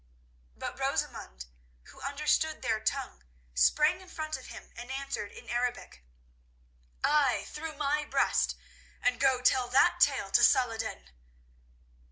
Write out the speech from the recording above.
But Rosamund, who understood their tongue, sprang in front of him, and answered in Arabic: "Ay, through my breast; and go, tell that tale to Saladin!"